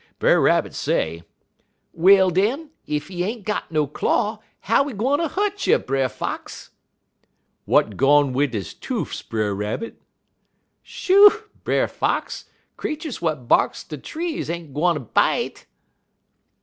Brer Rabbit say: "'Well, den, ef he ain't got no claw, how he gwine ter hu't you, Brer Fox?' "'W'at gone wid he toofs, Brer Rabbit?' "'Shoo, Brer Fox! Creeturs w'at barks de trees ain't gwine bite.'